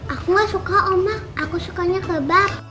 aku gak suka ombak aku sukanya kebab